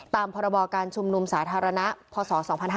พรบการชุมนุมสาธารณะพศ๒๕๕๙